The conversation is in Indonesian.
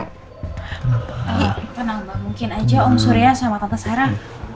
tenang mbak mungkin aja om surya sama tante sarah